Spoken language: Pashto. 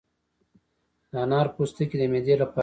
د انار پوستکي د معدې لپاره دي.